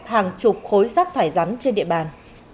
hàng chục khối sát thải rắn trên địa bàn